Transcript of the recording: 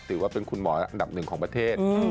ถือว่าเป็นคุณหมอระดับหนึ่งของประเทศ